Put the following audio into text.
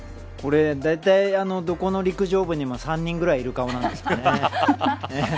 これ、だいたいどこの陸上部にも３人ぐらいいる顔なんですよね。